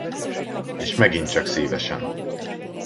És megint csak szívesen.